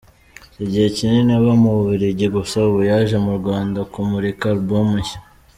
Igihe kinini aba mu Bubiligi gusa ubu yaje mu Rwanda kumurika album nshya.